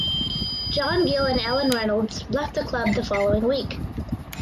John Gill and Alan Reynolds left the club the following week.